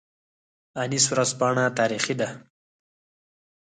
انیس ورځپاڼه تاریخي ده